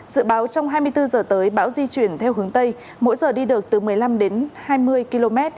dự báo trong hai mươi bốn h tới bão di chuyển theo hướng tây mỗi giờ đi được từ một mươi năm đến hai mươi km